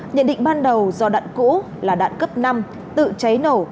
nhận định ban đầu do đạn cũ là đạn cấp năm tự cháy nổ